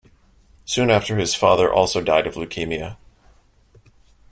Soon after his father also died of leukemia.